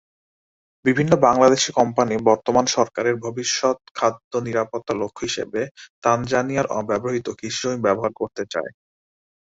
বিভিন্ন বাংলাদেশি কোম্পানি বর্তমান সরকারের ভবিষ্যত খাদ্য নিরাপত্তার লক্ষ্য হিসেবে তানজানিয়ার অব্যবহৃত কৃষিজমি ব্যবহার করতে চায়।